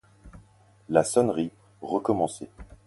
La sonnerie recommençait.